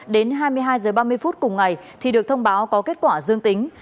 đến hai mươi hai h ba mươi phút cùng ngày thì được thông báo có kết quả dương tính